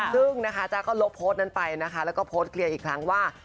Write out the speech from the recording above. ซึ่งนะคะจ๊ะก็ลบโพสต์นั้นไปนะคะแล้วก็โพสต์เคลียร์อีกครั้งว่า